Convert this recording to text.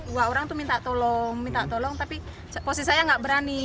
dua orang tuh minta tolong minta tolong tapi posisinya nggak berani